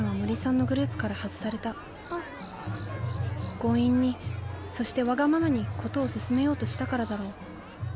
強引にそしてわがままに事を進めようとしたからだろう。